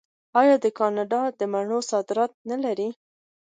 آیا کاناډا د مڼو صادرات نلري؟